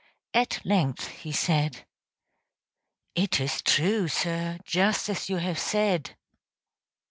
At length he said: "It is true, sir, just as you have said."